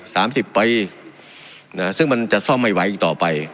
สามสิบปีนะซึ่งมันจะซ่อมไม่ไหวอีกต่อไป